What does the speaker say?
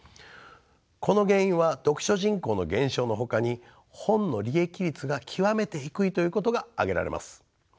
この原因は読書人口の減少のほかに本の利益率が極めて低いということが挙げられます。